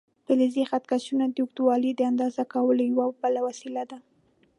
فلزي خط کشونه د اوږدوالي د اندازه کولو یوه بله وسیله ده.